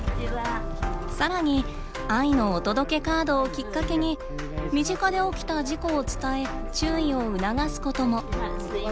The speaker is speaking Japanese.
さらに「愛のお届けカード」をきっかけに身近で起きた事故を伝え注意を促すことも。